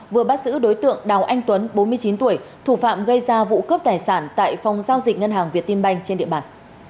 vừa bắt giữ đối tượng đào anh tuấn bốn mươi chín tuổi thủ phạm gây ra vụ cướp tài sản tại phòng giao dịch ngân hàng việt tiên banh trên địa bàn